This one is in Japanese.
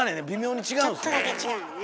ちょっとだけ違うのね。